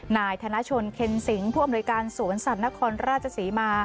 นายธนชนเคนสิงผู้อำนวยการสวนสัตว์นครราชศรีมา